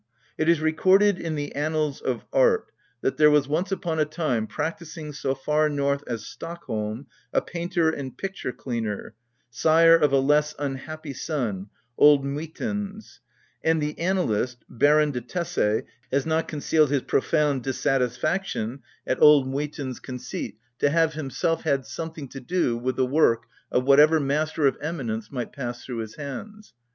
It is recorded in the annals of Art ^ that there was once upon a time, practising so far north as Stockholm, a painter and picture cleaner — sire of a less unhappy son — Old Muytens : and the annaHst, Baron de Tesse, has not concealed his profound dissatisfaction at Old Muytens' ^ Lcttres h tinjeune Prince, traduites die Stiidois. conceit " to have himself had something to do with the work of whatever master of eminence might pass through his hands."